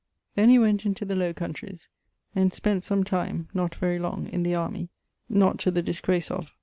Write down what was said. Then he went into the Lowe countreys, and spent some time (not very long) in the armie, not to the disgrace of